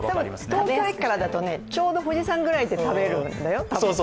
でも、東京駅からだと、ちょうど富士山ぐらいで食べるんだよ。